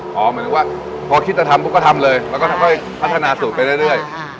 หมายถึงว่าพอคิดจะทำปุ๊บก็ทำเลยแล้วก็ค่อยพัฒนาสูตรไปเรื่อย